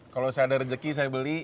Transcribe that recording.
kalau saya ada rezeki saya beli